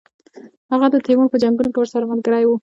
هغه د تیمور په جنګونو کې ورسره ملګری وو.